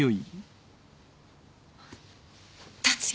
達也。